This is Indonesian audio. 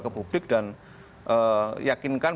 ke publik dan yakinkan